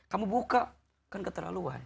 kamu buka kan keterlaluan